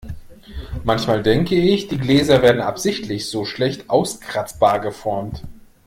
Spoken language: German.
Manchmal denke ich, die Gläser werden absichtlich so schlecht auskratzbar geformt.